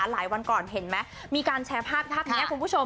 หลายวันก่อนเห็นไหมมีการแชร์ภาพภาพนี้คุณผู้ชม